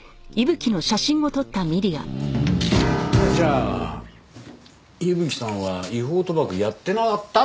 じゃあ伊吹さんは違法賭博やってなかったって事なのね。